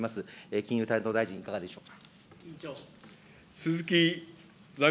金融担当大臣、いかがでしょうか。